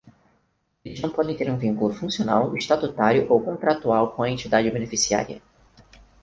Eles não podem ter um vínculo funcional, estatutário ou contratual com a entidade beneficiária.